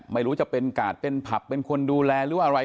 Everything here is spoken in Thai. ไม่รู้จะเป็นกาดเป็นผับเป็นคนดูแลหรืออะไร